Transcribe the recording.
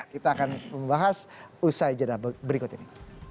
kita akan membahas usai jeda berikut ini